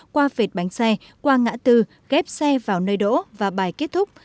qua vệt bánh xe qua ngã tư ghép xe vào nơi đỗ và bài kết thúc